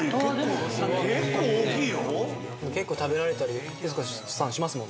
結構大きいよ。